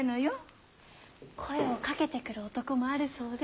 声をかけてくる男もあるそうで。